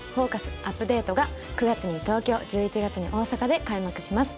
『アップデート』が９月に東京１１月に大阪で開幕します。